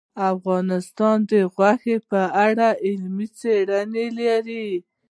افغانستان د غوښې په اړه علمي څېړنې لري.